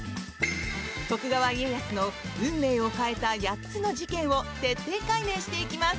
徳川家康の運命を変えた８つの事件を徹底解明していきます。